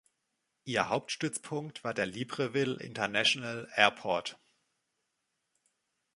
Ihr Hauptstützpunkt war der Libreville International Airport.